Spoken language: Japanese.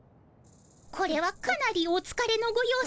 これはかなりおつかれのご様子。